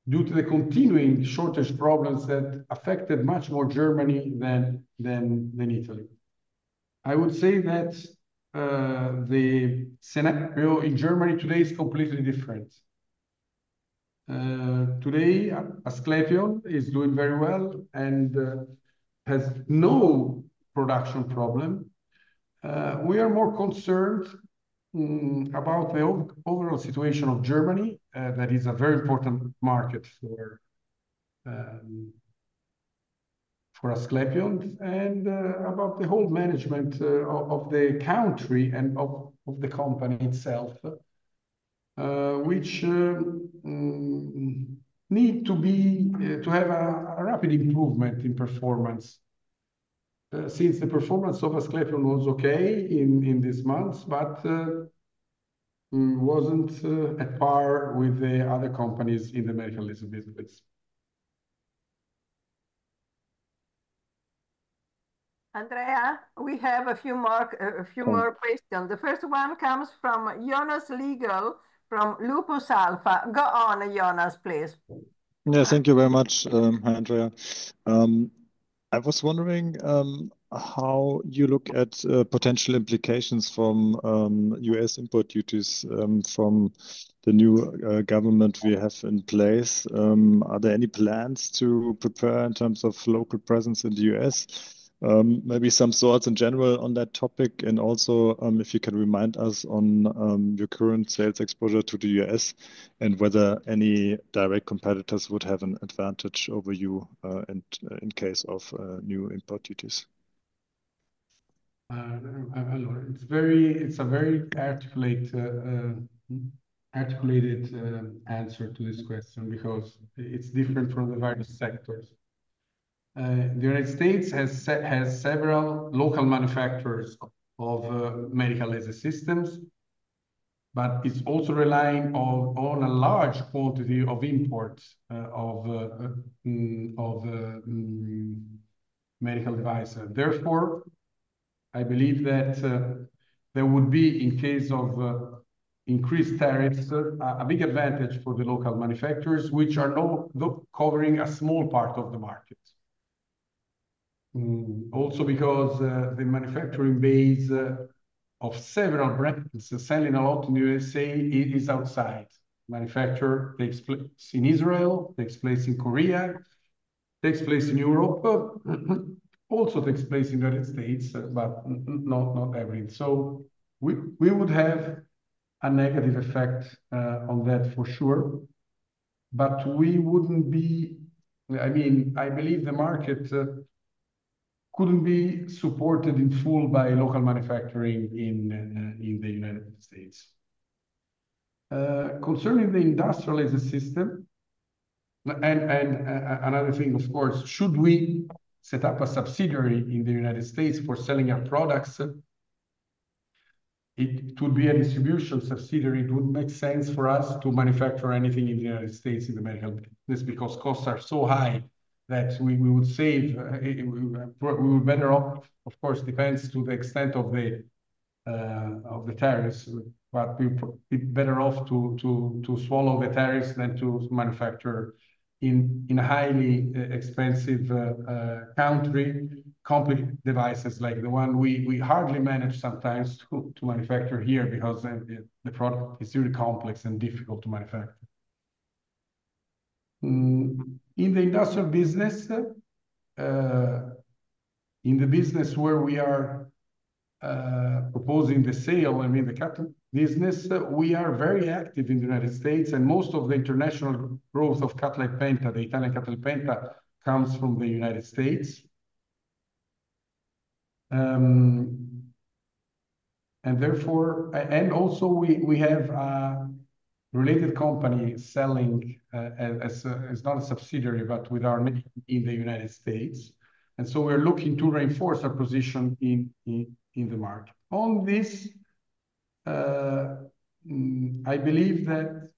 due to the continuing shortage problems that affected much more Germany than Italy. I would say that the scenario in Germany today is completely different. Today, Asclepion is doing very well and has no production problem. We are more concerned about the overall situation of Germany that is a very important market for Asclepion and about the whole management of the country and of the company itself, which need to have a rapid improvement in performance. Since the performance of Asclepion was okay in these months, but wasn't at par with the other companies in the medical business. Andrea, we have a few more questions. The first one comes from Jonas Liegl from Lupus alpha. Go on, Jonas, please. Yeah, thank you very much, Andrea. I was wondering how you look at potential implications from U.S. import duties from the new government we have in place? Are there any plans to prepare in terms of local presence in the U.S.? Maybe some thoughts in general on that topic and also if you can remind us on your current sales exposure to the U.S. and whether any direct competitors would have an advantage over you in case of new import duties? Hello. It's a very articulated answer to this question because it's different from the various sectors. The United States has several local manufacturers of medical laser systems, but it's also relying on a large quantity of imports of medical devices. Therefore, I believe that there would be, in case of increased tariffs, a big advantage for the local manufacturers, which are now covering a small part of the market. Also because the manufacturing base of several brands selling a lot in the USA is outside. Manufacturing takes place in Israel, takes place in Korea, takes place in Europe, also takes place in the United States, but not everywhere. So we would have a negative effect on that for sure. But we wouldn't be, I mean, I believe the market couldn't be supported in full by local manufacturing in the United States. Concerning the industrial as a system, and another thing, of course, should we set up a subsidiary in the United States for selling our products? It would be a distribution subsidiary. It would make sense for us to manufacture anything in the United States in the medical business because costs are so high that we would save. We would be better off, of course, depends to the extent of the tariffs, but we'd be better off to swallow the tariffs than to manufacture in a highly expensive country complex devices like the one we hardly manage sometimes to manufacture here because the product is really complex and difficult to manufacture. In the industrial business, in the business where we are proposing the sale, I mean, the cutting business, we are very active in the United States, and most of the international growth of Cutlite Penta, the Italian Cutlite Penta, comes from the United States. And therefore, and also we have a related company selling, it's not a subsidiary, but with ours in the United States. And so we're looking to reinforce our position in the market. On this, I believe that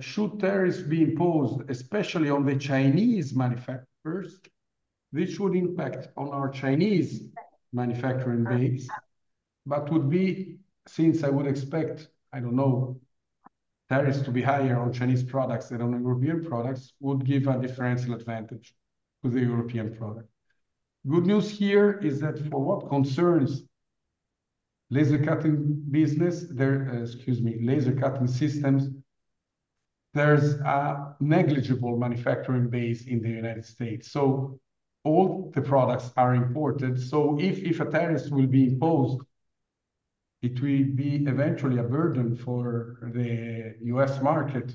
should tariffs be imposed, especially on the Chinese manufacturers, this would impact on our Chinese manufacturing base, but would be, since I would expect, I don't know, tariffs to be higher on Chinese products than on European products, would give a differential advantage to the European product. Good news here is that for what concerns laser cutting business, excuse me, laser cutting systems, there's a negligible manufacturing base in the United States. So all the products are imported. So if a tariff will be imposed, it will be eventually a burden for the U.S. market,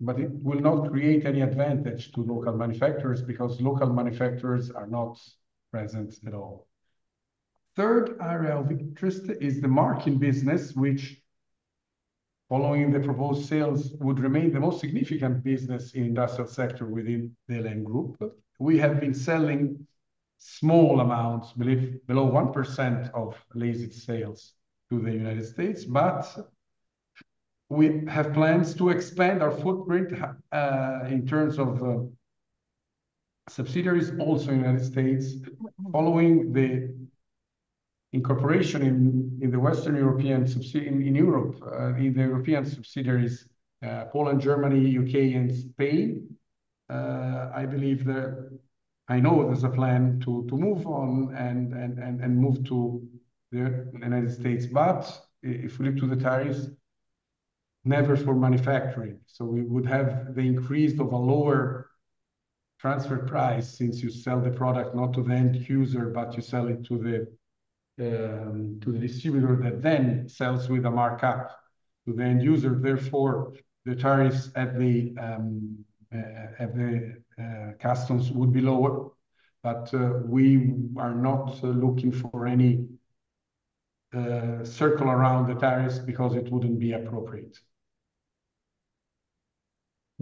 but it will not create any advantage to local manufacturers because local manufacturers are not present at all. Third area of interest is the marking business, which following the proposed sales would remain the most significant business in the industrial sector within the El.En. Group. We have been selling small amounts, below 1% of laser sales to the United States, but we have plans to expand our footprint in terms of subsidiaries also in the United States. Following the incorporation in the Western European subsidiaries in Europe, in the European subsidiaries, Poland, Germany, U.K., and Spain, I believe that I know there's a plan to move on and move to the United States. But if we look to the tariffs, never for manufacturing. So we would have the increase of a lower transfer price since you sell the product not to the end user, but you sell it to the distributor that then sells with a markup to the end user. Therefore, the tariffs at the customs would be lower. But we are not looking for any circle around the tariffs because it wouldn't be appropriate.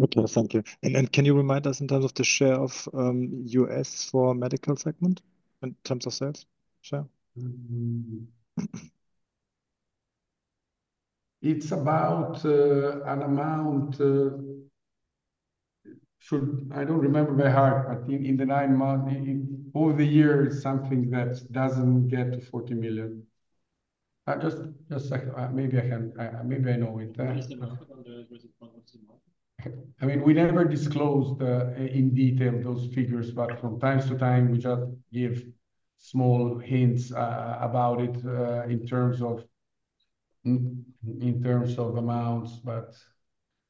Okay, thank you. And can you remind us in terms the share of U.S. for medical segment in terms of sales share? It's about an amount. I don't remember off the top of my head, but in the nine months, over the years, something that doesn't get to 40 million. Just maybe I can, maybe I know it. I mean, we never disclosed in detail those figures, but from time to time, we just give small hints about it in terms of amounts. But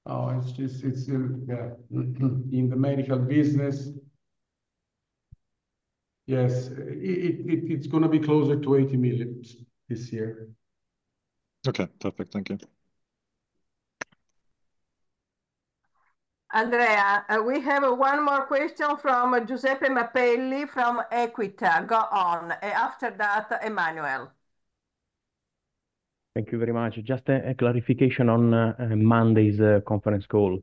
no, it's just, yeah, in the medical business, yes, it's going to be to 80 million this year. Okay, perfect. Thank you. Andrea, we have one more question from Giuseppe Mapelli from Equita. Go on. After that, Emmanuel. Thank you very much. Just a clarification on Monday's conference call.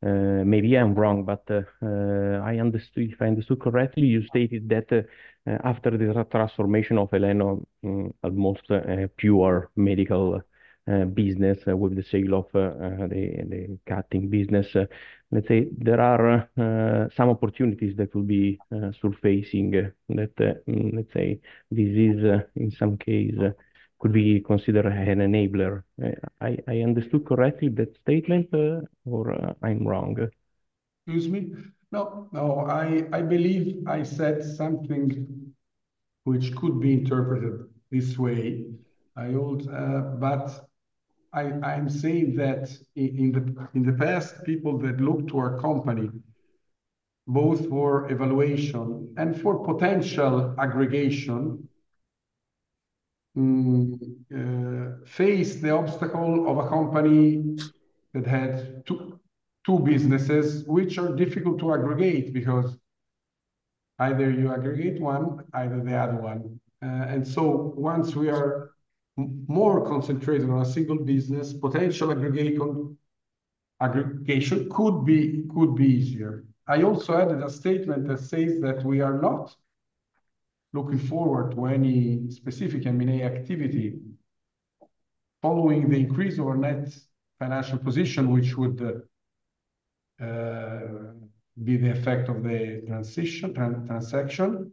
Maybe I'm wrong, but if I understood correctly, you stated that after the transformation of El.En., almost pure medical business with the sale of the cutting business, let's say there are some opportunities that will be surfacing that, let's say, the size in some case could be considered an enabler. I understood correctly that statement, or I'm wrong? Excuse me. No, no, I believe I said something which could be interpreted this way. But I'm saying that in the past, people that looked to our company, both for evaluation and for potential aggregation, faced the obstacle of a company that had two businesses, which are difficult to aggregate because either you aggregate one, either the other one. And so once we are more concentrated on a single business, potential aggregation could be easier. I also added a statement that says that we are not looking forward to any specific M&A activity following the increase of our net financial position, which would be the effect of the transaction,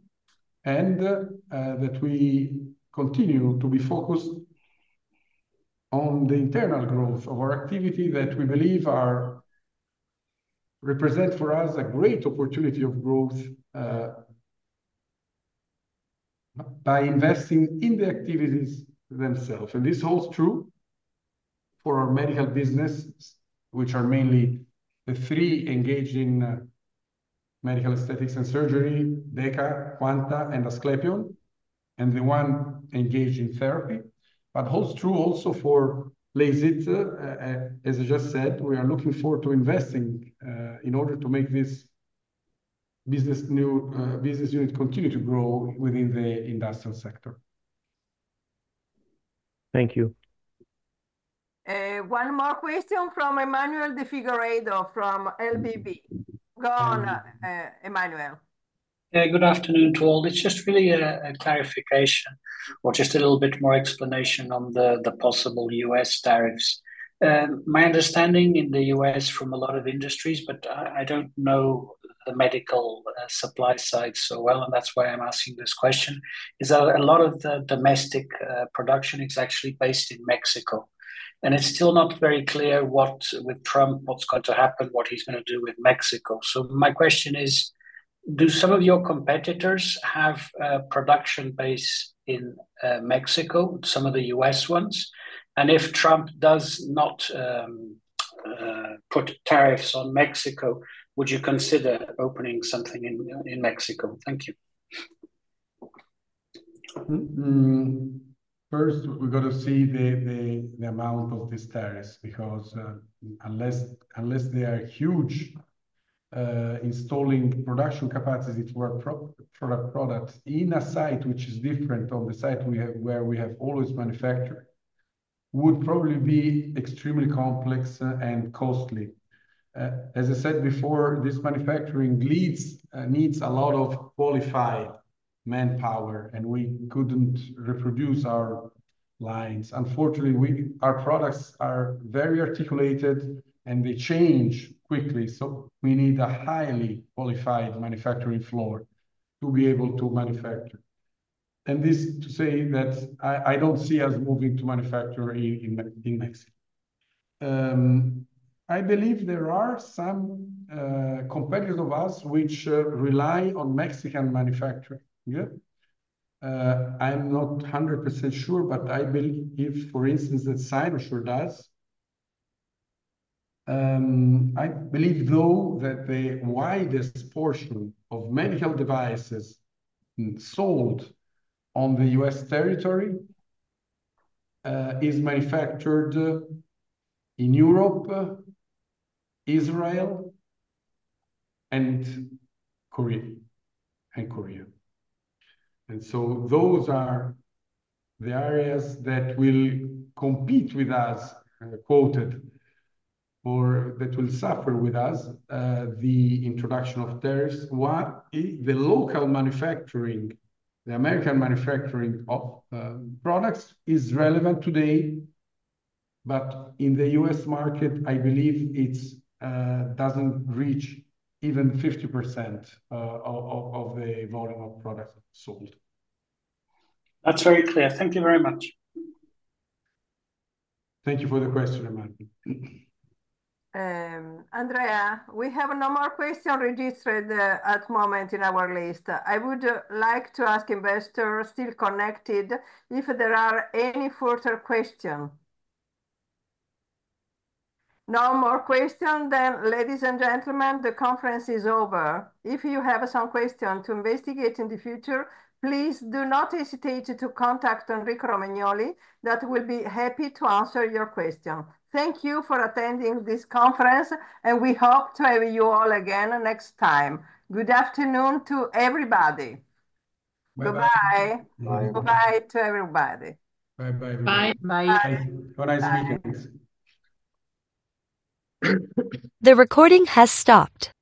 and that we continue to be focused on the internal growth of our activity that we believe represents for us a great opportunity of growth by investing in the activities themselves, and this holds true for our medical business, which are mainly the three engaged in medical aesthetics and surgery, DEKA, Quanta, and Asclepion, and the one engaged in therapy, but holds true also for laser. As I just said, we are looking forward to investing in order to make this business unit continue to grow within the industrial sector. Thank you. One more question from Emmanuel de Figueiredo from LBV. Go on, Emmanuel. Good afternoon to all. It's just really a clarification or just a little bit more explanation on the possible U.S. tariffs. My understanding in the U.S. from a lot of industries, but I don't know the medical supply side so well, and that's why I'm asking this question, is that a lot of the domestic production is actually based in Mexico. And it's still not very clear with Trump what's going to happen, what he's going to do with Mexico. So my question is, do some of your competitors have production base in Mexico, some of the U.S. ones? And if Trump does not put tariffs on Mexico, would you consider opening something in Mexico? Thank you. First, we've got to see the amount of these tariffs because unless they are huge, installing production capacity for a product in a site which is different from the site where we have always manufactured, would probably be extremely complex and costly. As I said before, this manufacturing needs a lot of qualified manpower, and we couldn't reproduce our lines. Unfortunately, our products are very articulated, and they change quickly. So we need a highly qualified manufacturing floor to be able to manufacture. And this to say that I don't see us moving to manufacture in Mexico. I believe there are some competitors of us which rely on Mexican manufacturing. I'm not 100% sure, but I believe, for instance, that Cynosure does. I believe, though, that the widest portion of medical devices sold on the U.S. territory is manufactured in Europe, Israel, and Korea. And so those are the areas that will compete with us, co-located, or that will suffer with us the introduction of tariffs. The local manufacturing, the American manufacturing of products is relevant today, but in the U.S. market, I believe it doesn't reach even 50% of the volume of products sold. That's very clear. Thank you very much. Thank you for the question, Emmanuel. Andrea, we have no more questions registered at the moment in our list. I would like to ask investors still connected if there are any further questions. No more questions, then ladies and gentlemen, the conference is over. If you have some questions to investigate in the future, please do not hesitate to contact Enrico Romagnoli. He will be happy to answer your question. Thank you for attending this conference, and we hope to have you all again next time. Good afternoon to everybody. Goodbye. Goodbye to everybody. Bye-bye. Bye. Bye. Have a nice weekend. The recording has stopped.